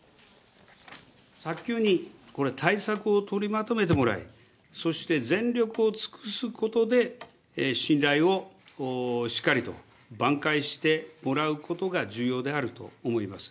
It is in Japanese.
早急に対策を取りまとめてもらい、そして全力を尽くすことで、信頼をしっかりと挽回してもらうことが重要であると思います。